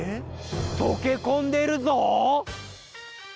とけこんでるぞ！